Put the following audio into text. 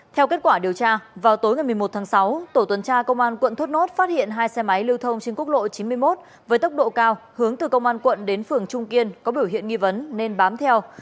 theo kết quả điều tra vào tối ngày một mươi một tháng sáu tổ tuần tra công an quận thốt nốt phát hiện hai xe máy lưu thông trên quốc lộ chín mươi một với tốc độ cao hướng từ công an quận đến phường trung kiên có biểu hiện nghi vấn nên bám theo